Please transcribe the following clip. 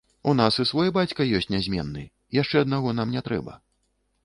У нас і свой бацька ёсць нязменны, яшчэ аднаго нам не трэба.